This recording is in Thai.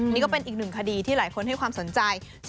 นี่ก็เป็นอีกหนึ่งคดีที่หลายคนให้ความสนใจ